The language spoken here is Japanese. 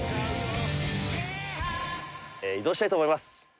移動したいと思います。